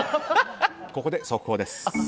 ここで、速報です。